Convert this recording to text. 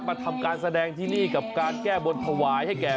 ทำการแสดงที่นี่กับการแก้บนถวายให้แก่